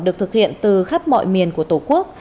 được thực hiện từ khắp mọi miền của tổ quốc